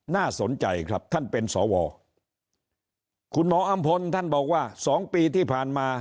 น่าสนใจครับท่านเป็นสวคุณหมออำพลท่านบอกว่าสองปีที่ผ่านมา